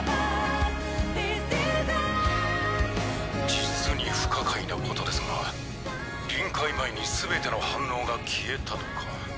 実に不可解なことですが臨界前に全ての反応が消えたとか。